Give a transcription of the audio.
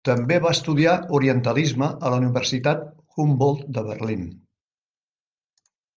També va estudiar orientalisme a la Universitat Humboldt de Berlín.